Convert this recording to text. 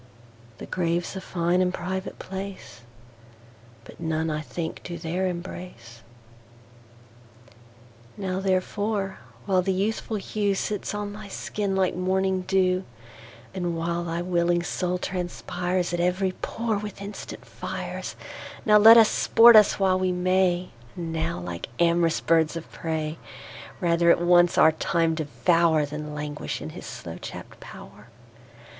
The Grave's a fine and private place, But none I think do there embrace. Now therefore, while the youthful hewSits on thy skin like morning [dew]And while thy willing Soul transpiresAt every pore with instant Fires, Now let us sport us while we may; And now, like am'rous birds of prey, Rather at once our Time devour, Than languish in his slow chapt pow'r.